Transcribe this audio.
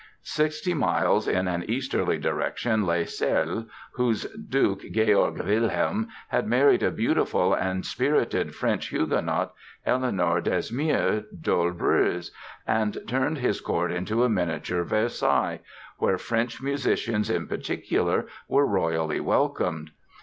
Sixty miles in an easterly direction lay Celle, whose Duke, Georg Wilhelm, had married a beautiful and spirited French Huguenot, Eleanore Desmier d'Olbreuse, and turned his court into a miniature Versailles, where French musicians in particular were royally welcomed.